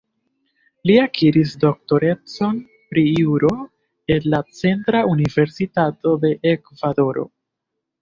Li akiris doktorecon pri Juro el la Centra Universitato de Ekvadoro.